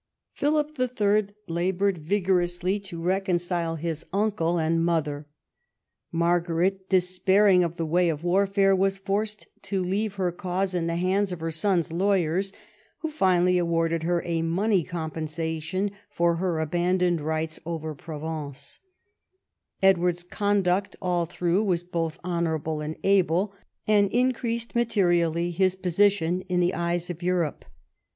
Philip III. laboured vigorously to reconcile H 98 EDWARD I chap. his uncle and mother. Margaret, despairing of the "way of warfare," was forced to leave her cause in the hands of her son's lawyers, who finally awarded lier a money compensation for her abandoned rights over Provence, Edward's conduct all through was both honourable and able, and increased materially his posi tion in the eyes of Europe.